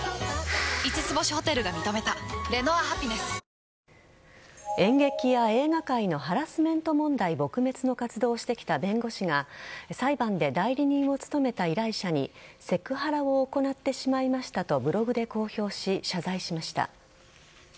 成立に向け各党に協議を演劇や映画界のハラスメント問題撲滅の活動をしてきた弁護士が裁判で代理人を務めた依頼者にセクハラを行ってしまいましたとブログで公表し謝罪しました。